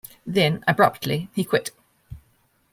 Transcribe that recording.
Then, abruptly, he quit.